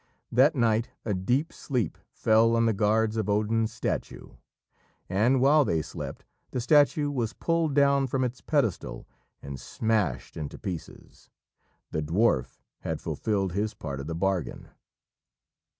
That night a deep sleep fell on the guards of Odin's statue, and, while they slept, the statue was pulled down from its pedestal and smashed into pieces. The dwarf had fulfilled his part of the bargain.